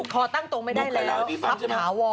พอตั้งตรงไม่ได้แล้วปั๊บถาวร